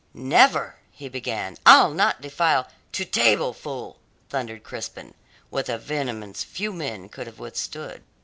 "Never!" he began. "I'll not defile " "To table, fool!" thundered Crispin, with a vehemence few men could have withstood.